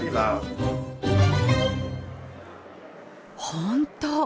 本当！